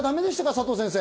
佐藤先生。